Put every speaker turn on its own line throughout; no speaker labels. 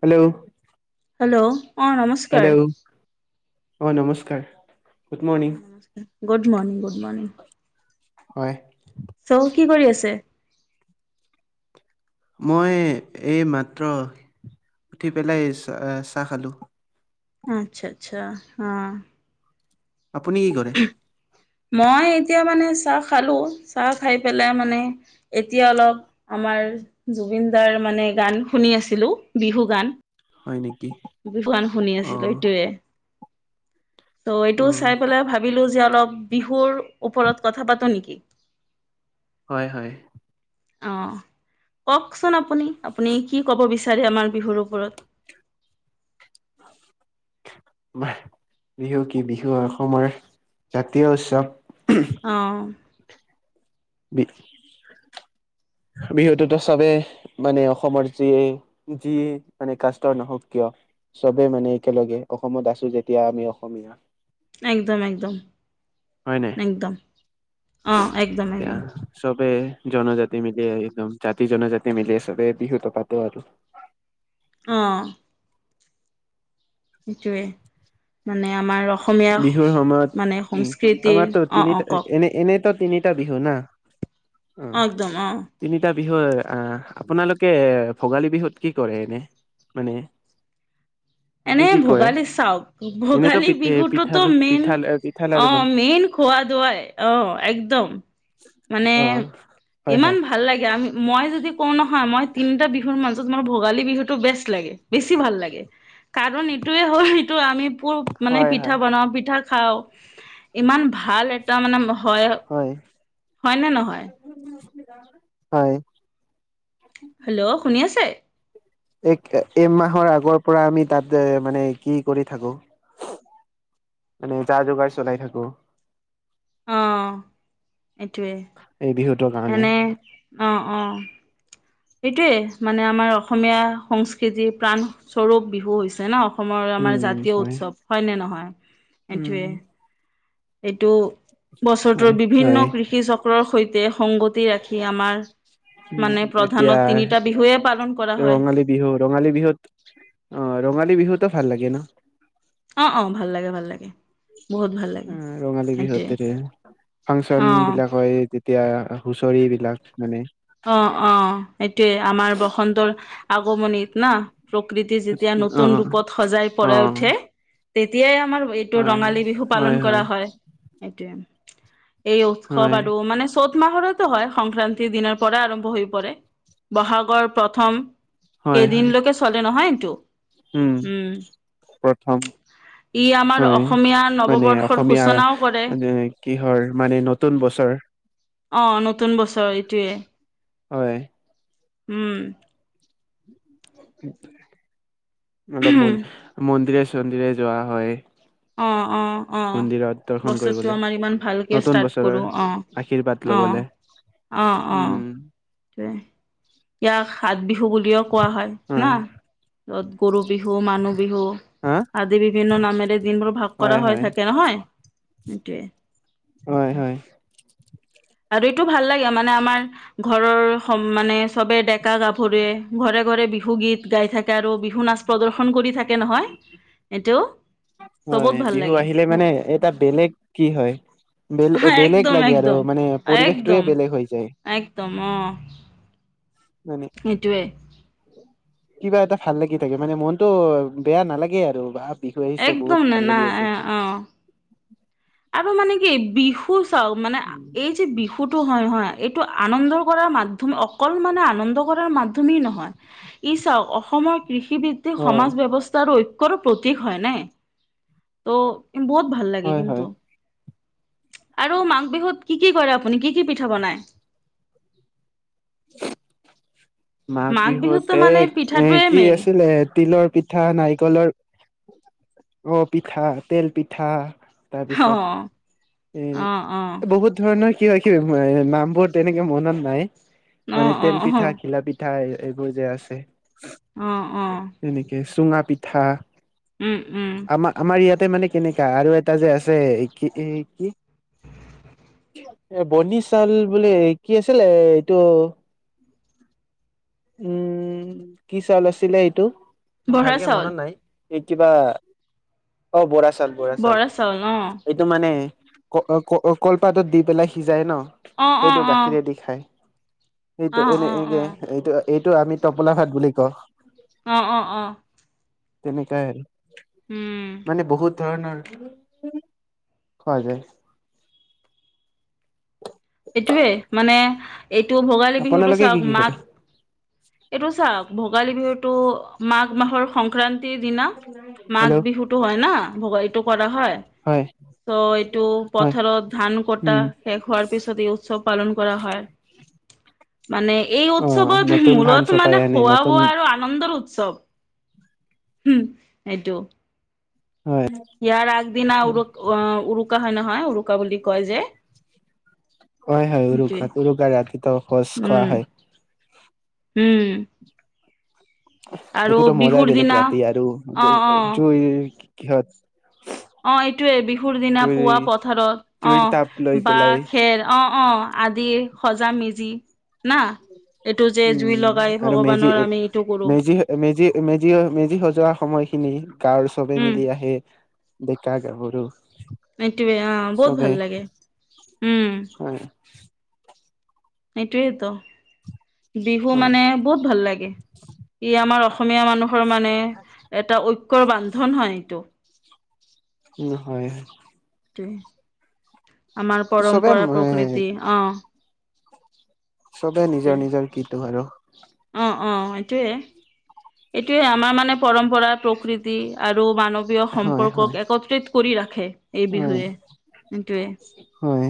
Hello
hello অ' নমস্কাৰ।
Hello অ' নমস্কাৰ গুড
অ
মৰ্ণিং।
নমস্কাৰ গুড মৰ্ণিং গুড মৰ্ণিং।
হয়।
চ' কি কৰি আছে
মই এই মাত্ৰ উঠি পেলাই চ চাহ খালোঁ।
আচ্ছা আচ্ছা অ'।
আপুনি কি কৰে?
মই এতিয়া মানে চাহ খালো চাহ খাই পেলাই মানে এতিয়া অলপ আ আমাৰ জুবিন দাৰ মানে গান শুনি আছিলো বিহু গান
হয় নেকি
বান শুনি
অ
আছিলো এইটোৱে। ত'
অ
এইটো চাই পেলাই ভাবিলো যে অলপ বিহুৰ ওপৰত কথা পাতো নেকি?
হয়, হয়।
অ' কওঁকচোন আপুনি আপুনি কি ক'ব বিচাৰে আমাৰ বিহুৰ ওপৰত।
আমাৰ বিহু কি বিহু অসমৰ জাতীয় উৎসৱ।
অ'
বিক
[inaudible]
বিহুততো চবেই মানে অসমৰ যিয়ে যি মানে কাষ্টৰ নহওঁক কিয়। চবে মানে একেলগে অসমত আছো যেতিয়া আমি অসমীয়া
একদম একদম
হয় নাই
একদম আহ একদম
এতিয়া
একদম।
চবে জনজাতি মিলি একদম জাতি জনজাতি মিলি চবে বিহুতো পাতো আৰু।
আহ। সেটোয়ে মানে আমাৰ অসমীয়া
বিহুৰ
মানে
সময়ত উ
সংস্কৃতিৰ
আমাৰতো
অ অ
তিনিটা
কওক
এনে এনে ত তিনিটা বিহু না অ
একদম অ
তিনি বিহু আহ আপোনালোকে ভোগালী বিহুত কি কৰে এনে মানে। কি
এনে
কি কৰে
ভোগালী চাওক
এনেতো
ভোগালী।
পি পিঠা
বিহুটোতো মেইন
পিঠা পিঠা লাৰু
অ'
বনাই
মেইন খোৱা ধোৱাই অ' একদম। মানে
অ হয়
ইমান
হয়
ভাল লাগে আমি। মই যদি কওঁ নহয় মই তিনটা বিহুৰ মাজত মই ভোগালী বিহুটো বেষ্ট। লাগ বেছি ভাল লাগে কাৰণ ইটোয়ে হ'ল এইটো আমি। মানে
হয়
পিঠা
হয়
বনাও পিঠা খাও ইমান। ভাল এটা মানে হয়। হয়নে নহয়।
হয়।
হেল্ল' শুনি আছে
এক এই মাহৰ আগৰ। পৰা আমি তাত মানে কি কৰি থাকো। মানে যা যোগাৰ চলাই থাকো।
আহ।
এই দি।
এনে অ', অ'। সটোয়ে মানে আমাৰ অসমীয়া সংস্কৃতি প্ৰাণস্বৰূপ বিহু হৈছে ন। অসমৰ আমাৰ
উম
জাতীয়
হয়
উৎসৱ হয় নে নহয়
উম
এইটোৱে এইটো বছৰটোৰ
হয়
বিভিন্ন
হয়
কৃষি চক্ৰৰ সৈতে সংগতি ৰাখি আমাৰ মানে
উ এতিয়া
প্ৰধানত তিনিটা বিহুৱে পালন কৰা হয়
ৰঙালী বিহু ৰঙালী বিহুত। অ' ৰঙালী বিহুতো ভাল লাগে ন।
অ', অ' ভাল লাগে ভাল লাগে। বহুত ভাল লাগে
উ ৰঙালী
সেইটোৱে
বিহুতে ফাংচন
অ
বিলাক হয়। এতিয়া হুঁচৰি বিলাক মানে।
অ অ সেইটোয়ে আমাৰ বসন্তৰ আগমনিত না প্ৰকৃতি যেতিয়া
অ
নতুন ৰূপত সজাই
অ
পৰাই উঠে তেতিয়াই। আমাৰ এইটো
হয়
ৰঙালী বিহু পালন কৰা হয় এইটোয়ে। এই উৎসৱ
হয়
আৰু মানে চ'ত মাহৰতো হয় সংক্ৰান্তিৰ দিনত। পৰা আৰম্ভ হৈ পৰে বহাগৰ প্ৰথম
হয় হয়
কেইদিনলৈকে চলে নহয় এইটো উম,
প্ৰথম
ই আমাৰ
হয়
অসমীয়া
মানে
নৱবৰ্ষৰ
অসমীয়া
সূচনাও কৰে। অ',
কিহৰ মানে নতুন বছৰ
নতুন বছৰ এইটোয়ে।
হয়,
উম,
অলপ মন মন্দিৰে চন্দিৰে যোৱা হয়।
অ অ অ
মন্দিৰত দৰ্শন
বছৰটো
কৰিবলৈ
আমাৰ ইমান ভালকে
নতুন
ষ্টাৰ্ট কৰো
বছৰৰ
অ
আশীৰ্বাদ।
অ
লবলে
অ', অ'।
উম
ইয়াক সাত বিহু বুলিও কোৱা হয় নাত গৰু। বিহু মানুহ বিহু
হা
আদি বিভিন্ন নামেৰে দিনবোৰ ভাগ
হয়
কৰা হৈ
হয়
থাকে নহয়। সেইটোৱে
হয় হয়।
[inaudible] আৰু এইটো ভাল লাগে মানে আমাৰ ঘৰৰ মানে চবে ডেকা গাভৰুৱে ঘৰে ঘৰে বিহু গীত গাই থাকে আৰু বিহু নাচ প্ৰদৰ্শন কৰি থাকে নহয় এইটো। চবত
হয়,
ভাল
বিহু
লাগে
আহিলে মানে এটা বেলেগ কি হয় বেলে বেলেগ
একদম
লাগে আৰু
একদম
মানে পৰিৱেশটোৱে
একদম
বেলেগ হৈ যায়।
একদম অ',
মানে
সেইটোৱে।
কিবা এটা ভাল লাগি থাকে মানে মনটো বেয়া নালাগে আৰু বিহু আহিছে বহুত
একদম
ভাল
নানা
লাগি আছে।
এ, অ', আৰু মানে কি বিহু চাওঁ মানে, এই যে বিহু ফুটো হয়, হয়, এইটো আনন্দ কৰাৰ মাধ্যম অকল মানে আনন্দ কৰাৰ মাধ্যম মাধ্যমে নহয় ই চাওক অসমৰ কৃষিভিত্তিক
হয়
সমাজ ব্যৱস্থাৰ কৰো প্ৰতীক হয় নে ত' বহুত ভাল লাগে
হয় হয়
কিন্তু। আৰু মাঘ বিহুত কি কি কৰে আপুনি কি কি পিঠা বনায়? [inaudible]
মাঘ বিহুত
বিহুততো মানে
এই এ
পিঠাটোৱে
কি
মেইন
আছিলে তিলৰ পিঠা নাৰিকলৰ অ, পিঠা তেল পিঠা। তাৰপিছত
অ', অ', অ',
এ বহুত ধৰণৰ। কিবা কিবি নামবোৰ তেনেকে মনত নাই
অ',
মানে তেল
অ',
পিঠা ঘিলা পিঠা এইবোৰ যে আছে
অ', অ', অ
এনেকে চুঙা পিঠা।
উম, উম,
আমাৰ আমাৰ ইয়াতে মানে কেনেকা আৰু এটা যে আছে কি কি এ বনি চাউল বুলি কি আছিলে এইটো উম, কি চাউল আছিলে এইটো মোৰ
বৰা
ভালকে
চাউল
মনত নাই। এই কিবা অ, বৰা চাউল, বৰা চাউল এইটো মানে ক কলপাতত দি পেলাই সিজাই ন'
অ',
সেইটো
অ',
গাখীৰেদি খায়। সটো
অ', অ',
এনে এ
অ',
এইটো এইটো আমি ত'পলা ভাত বুলি কওঁ।
অ', অ', অ',
তেনেকাই আৰু
উম,
মানে বহুত ধৰণৰ খোৱা যায়। [inaudible]
এইটোৱে মানে এইটো ভোগালী বিহুটো
আপোনালোকে কি
চাওক
কি
মাঘ
কৰে
এইটো চাওক ভোগালী বিহুটো মাঘ মাহৰ সংক্ৰান্তিৰ দিনা মাঘ
হেল্ল'
বিহুটো হয় না, ভোগালীটো কৰা হয়। ত' এইটো
হয়
পথাৰত ধান কটা
উম
শেষ হোৱাৰ পিছত এই উৎসৱ পালন কৰা হয়। মানে এই
অ
উৎসৱত
নতুন ধান
মূলত
চপাই
মানে
আনে
খোৱা
নতুন
বোৱা আৰু আনন্দৰ উৎসৱ। চ'ব এইটো
হয়
ইয়াৰ আগদিনা উৰু উৰুকা হয় নহয়, উৰুকা বুলি কয় যে
হয়, হয়
সেইটোৱে
উৰুকা উৰুকাৰ ৰাতিটো শোজ খোৱা
উম
হয়।
উম। আৰু
সেটোতো মজাই
বিহুৰ
বেলেগ
দিনা
ৰাতি আৰু
অ অ
জুই কিহত।
অ' এইটোয়ে বিহুৰ দিনা
জুইৰ
পুৱ পথাৰত
জুইৰ তাপ লৈ
অ' বা
পেলাই
খেৰ অ' অ' আদি সজা মেজি না? এইটো যে জুই
উম,
লগাই
আৰু মেজি
ভগৱানৰ আমি এইটো কৰো
মেজি-মেজি-মেজি-মেজি, সজোৱা সময়খিনি গাঁৱৰ চবে
উম
মিলি আহে। ডেকা গাভৰু।
এইটোৱে আ, বহুত
চবে
ভাল লাগে উম,
হয়
সটোৱেই ত' বিহু
হয়
মানে বহুত ভাল লাগে ই আমাৰ অসম অসমীয়া মানুহৰ মানে এটা ঐক্যৰ বান্ধন হয় এইটো।
উম, হয়।
আমাৰ
চবে
পৰম্পৰা
এ
প্ৰকৃতি আহ
চবে নিজৰ নিজৰ কিটো আৰু
অ' এইটোৱে এইটোৱে আমাৰ মানে পৰম্পৰা প্ৰকৃতি আৰু মানৱীয়
হয় হয়
সম্পৰ্কক একত্ৰিত কৰি ৰাখে এই
হয়,
বিহুৱে সেইটোৱে
হয়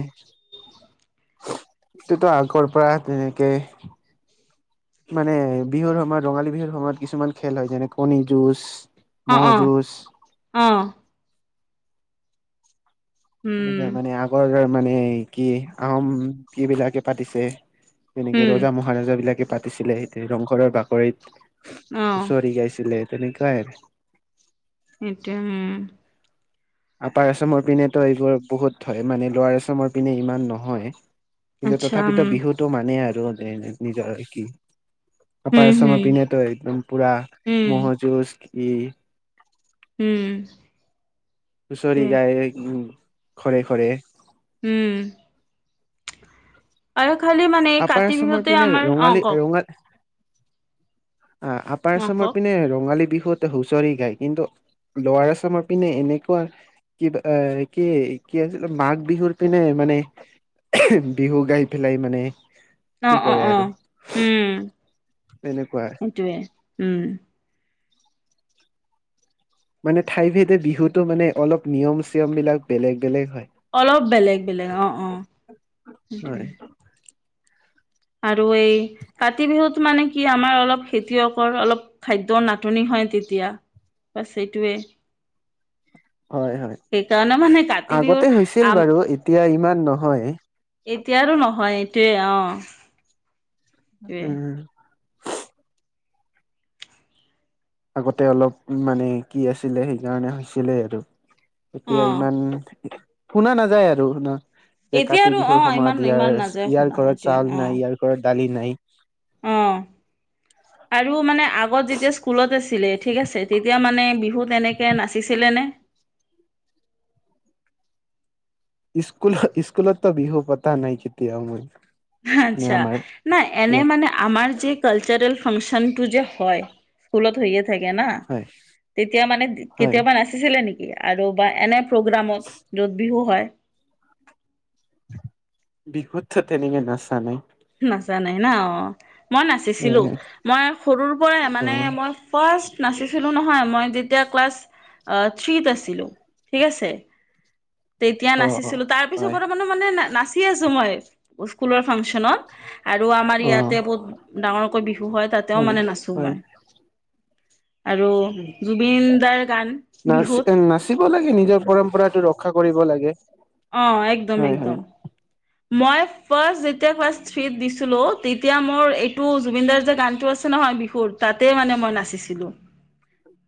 সেইতো আগৰ পৰা তেনেকে মানে বিহুৰ সময়ত ৰঙালী বিহুৰ সময়ত কিছুমান খেল হয় যেনে কণী যুঁজ
অ'
ম'হ
অ'
যুঁজ
আহ
এনেকুৱা
উম,
মানে আগৰ মানে কি আহোম কি বিলাকে পাতিছে। তেনেকে
উম,
ৰজা মহাৰজ বিলাকে পাতিছিলে ৰংঘৰৰ বাকৰিত
অ',
হুচৰি গাইছিলে তেনেকুৱাই আৰু
সেইতিয়া উম।
আপাৰ এচমৰ পিনেতো এইবোৰ বহুত হয় মানে লোৱাৰ এচমৰ পিনে ইমান নহয় কিন্তু
আচ্ছা উম।
তথাপিতো বিহুতটো মানেই আৰু নিজৰ কি
উম,
আপাৰ আছাম
হুম,
পিনে তো একদম পুৰা
উম,
ম'হ যুঁজ কি।
উম।
হুঁচৰিৰ
সেইটোৱে
গায় উ ঘৰে ঘৰে।
উম। আৰু খালি মানে
আপাৰ
কাতি
আছামৰ
বিহুতে
পিনে
আমাৰ অ'
ৰঙালী
কওঁক।
ৰঙা আহ আপাৰ
অ',
আছাম
কওক
পিনে ৰঙালী বিহুতে হুঁচৰি গায় কিন্তু। লৰাচামৰ পিনে এনেকুৱা কিবা এ কি কি আছিল মাঘ বিহুৰ পিনে মানে বিহু গাই পেলাই মানে কি
অ' অ'
কৰে আৰু
অ' উম,
তেনেকুৱা
সেইটোয়ে। উম।
মানে ঠাই ভেদ বিহুতো মানে অলপ নিয়ম চিয়ম বিলাক বেলেগ। বেলেগ হয়
অলপ বেলেগ বেলেগ অ' অ' সেইটো।
হয়
আৰু এই কাতি বিহুত মানে কি আমাৰ অলপ খেতিয়কৰ অলপ খাদ্যৰ নাটনি হয়। তেতিয়া বাস সেইটোৱে।
হয় হয়
সেইকাৰণে মানে কাতি
আগতে
বিহুত
হৈছিল
আম
বাৰু এতিয়া ইমান নহয়
এতিয়াৰ আৰু নহয় এইটোৱে অ'। এইটোৱে
উম। আগতে অলপ মানে কি আছিলে সেইকাৰণে হৈছিলে আৰু।
অ
এতিয়া ইমান শুনা নাযায় আৰু না। যে
এতিয়া
কাতি
আৰু অ
বিহুৰ সময়ত
ইমান
ইয়াৰ
ইমান নাযায়
ইয়াৰ
শুনা
ঘৰত
এইটোৱে
চাউল
অ
নাই ইয়াৰ ঘৰত দালি নাই।
অ' আৰু মানে আগত যেতিয়া স্কুলত আছিল লে ঠিক আছে তেতিয়া মানে বিহু তেনেকে নাচিছিলে নে?
স্কুল-স্কুলত বিহু পতা নাই কতিয়াও মই। মানে
আচ্ছা
আমাৰ
না এনে
ইয়াত
মানে আমাৰ যে কালচাৰেল ফাংচন তো যে হয় স্কুলত হৈয়ে থাকে না,
হয়
তেতিয়া মানে
হয়
কেতিয়াবা নাচিছিলে নেকি? আৰু বা এনে প্ৰগ্ৰামত য'ত বিহু হয়।
বিহুততো তেনেকে নচা নাই।
জানে নহ। মই
অ
নাচিছিলো, মই সৰুৰ পৰাই
অ
মানে মই ফাৰ্চ নাচিছিলো নহয় মই যেতিয়া ক্লাছ থ্ৰীত আছিলো। ঠিক আছে তেতিয়া
অ
নাচিছিলো তাৰ পিছত
হয়
পৰমানো নাচি আছো মই স্কুলৰ ফাংচন আৰু আমাৰ
অ
ইয়াতে বহুত ডাঙৰকৈ বিহু হয় তাতেও মানে নাচো মই। আৰু
উম।
জুবিন দাৰ গান বিহুত
নাচ-নাচিব লাগে নিজৰ পৰম্পৰা তেওঁ ৰস ৰক্ষা কৰিব লাগে।
অ' একদম,
হয় হয়
একদম। মই ফাৰ্ষ্ট যেতিয়া ক্লা থ্ৰীত দিছিলো তেতিয়া মোৰ এইটো জুবিনদাৰ যে গানটো আছে নহয় বিহুৰ তাতে মানে মই নাচিছিলো।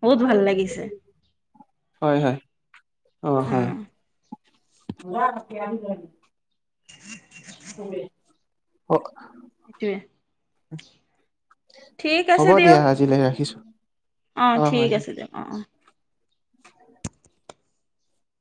বহুত ভাল লাগিছে অ
হয়, হয়। অ', হয়। [unintelligible]
[unintelligible]
হক
সেইটোৱে। ঠিক
হ'ব
আছে দিয়
দিয়া আজিলৈ ৰাখিছো
অ', ঠিক আছে দিয়ক অ', অ'।
[unintelligible]